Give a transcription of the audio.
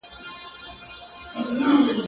دا څېړنه به ستا په علمي ژوند کي یو نوی فصل وي.